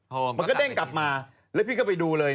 มันก็เด้งกลับมาแล้วพี่ก็ไปดูเลย